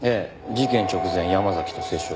事件直前山崎と接触を。